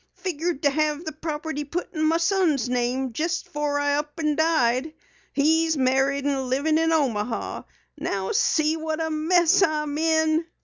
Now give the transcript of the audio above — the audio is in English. Figured to have the property put in my son's name jes' before I up and died. He's married and livin' in Omaha. Now see what a mess I'm in."